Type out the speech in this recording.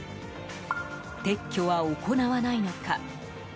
撤去は行わないのか？